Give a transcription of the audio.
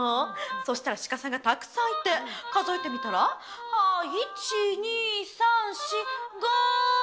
そしたら鹿さんがたくさんいて、数えてみたら、ああ、１、２、３、４、５。